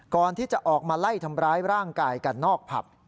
ก่อนที่จะออกมาไล่ทำร้ายร่างกายกันนอกผับ